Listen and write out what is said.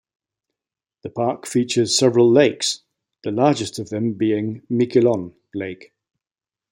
The park features several lakes, the largest of them being Miquelon Lake.